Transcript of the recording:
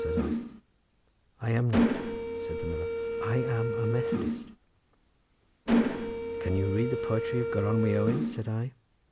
said I. "I am not," said the miller; "I am a Methodist." "Can you read the poetry of Gronwy Owen?" said I.